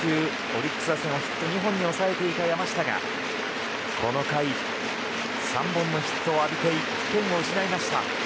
オリックス打線をヒット２本に抑えていた山下がこの回、３本のヒットを浴びて１点を失いました。